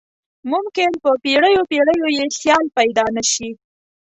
ممکن په پیړیو پیړیو یې سیال پيدا نه شي.